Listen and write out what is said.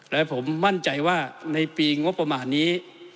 และผมมั่นใจว่าในปีงบประมาณนี้